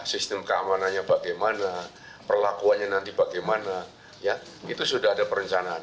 sistem keamanannya bagaimana perlakuannya nanti bagaimana ya itu sudah ada perencanaan